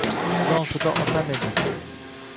Jonfido otam edi.